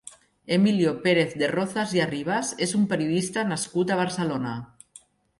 Emilio Pérez de Rozas i Arribas és un periodista nascut a Barcelona.